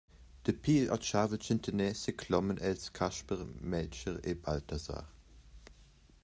Dapi igl otgavel tschentaner secloman els Casper, Meltger e Baltasar.